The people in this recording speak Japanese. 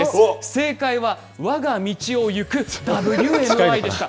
正解は、わが道を行く、ＷＭＹでした。